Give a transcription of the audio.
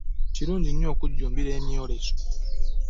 Kirungi nnyo okujumbira emyeleso.